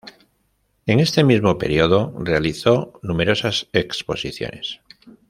En este mismo período realizó numerosas exposiciones.